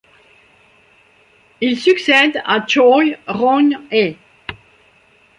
Il succède à Choi Ryong-hae.